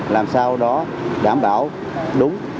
làm sao đó đảm bảo đúng